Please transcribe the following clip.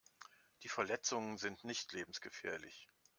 Die Verletzungen sind nicht lebensgefährlich.